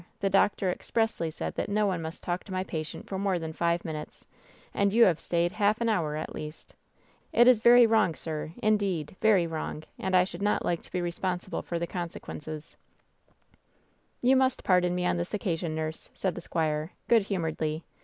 The doctor expressly said that no one must talk to my patient for more than five minutes, and you have stayed half an hour, at least WHEN SHADOWS DIE 869 It is very wrong, sir, indeed, very wrong — and I aliould not like to be responsible for the consequences I" "You must pardon me on this occasion, nurse,'* said the squire, good humoredly.